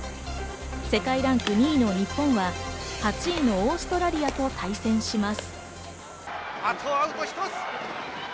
世界ランク２位の日本は８位のオーストラリアと対戦します。